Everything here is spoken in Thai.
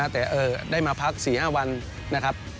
แต่ได้มาพัก๔๕วันนะครับ